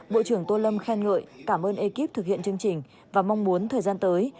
bộ trưởng tô lâm khen ngợi cảm ơn ekip thực hiện chương trình và mong muốn thời gian tới